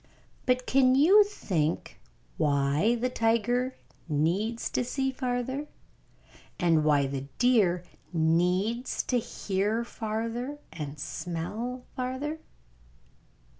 But can you think why the tiger needs to see farther, and why the deer needs to hear farther and smell farther?